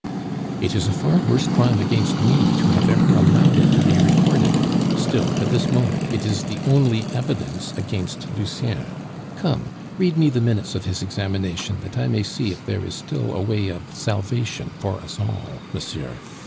"It is a far worse crime against me to have ever allowed it to be recorded; still, at this moment it is the only evidence against Lucien. Come, read me the minutes of his examination that I may see if there is still a way of salvation for us all, monsieur.